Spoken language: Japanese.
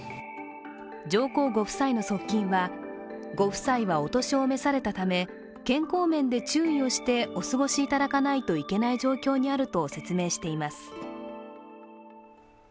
上皇ご夫妻の側近は、ご夫妻はお年を召されたため、健康面で注意をしてお過ごしいただかないといけない状況にあると説明しています。